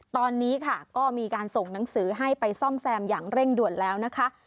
ตอนนี้ค่ะก็มีการส่งหนังสือให้ไปซ่อมแซมอย่างเร่งด่วนแล้วนะคะ